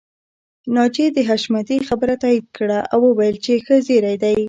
ناجيې د حشمتي خبره تاييد کړه او وويل چې ښه زيری دی